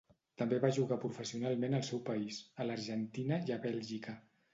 També va jugar professionalment al seu país, a l'Argentina i a Bèlgica.